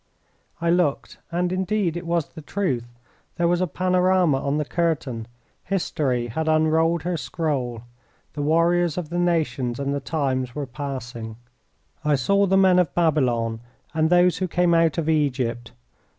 I looked, and indeed it was the truth. There was a panorama on the curtain. History had unrolled her scroll. The warriors of the nations and the times were passing. I saw the men of Babylon, and those who came out of Egypt.